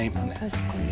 確かに。